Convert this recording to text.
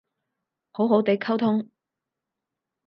好好哋溝通